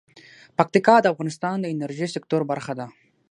پکتیکا د افغانستان د انرژۍ سکتور برخه ده.